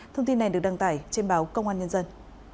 thông tin này được đăng tải trên báo công an nhân dân